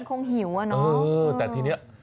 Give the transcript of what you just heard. คงหิวอะน้อง